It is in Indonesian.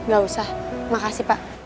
gak usah makasih pak